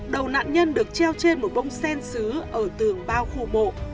đầu nạn nhân được treo trên một bông sen xứ ở tường bao khu mộ